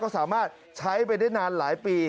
ก็สามารถใช้ไปได้นานหลายปี